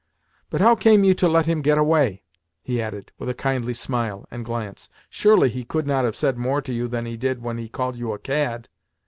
But how came you to let him get away?" he added, with a kindly smile and glance. "Surely he could not have said more to you than he did when he called you a cad?"